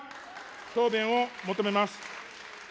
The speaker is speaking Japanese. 答弁を求めます。